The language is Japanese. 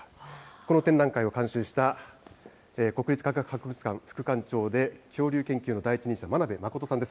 この展覧会を監修した国立科学博物館副館長で恐竜研究の第一人者、真鍋真さんです。